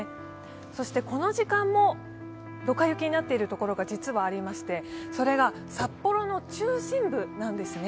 そしてこの時間もドカ雪になっている所が実はありまして、それが札幌の中心部なんですね。